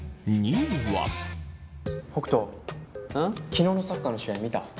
昨日のサッカーの試合見た？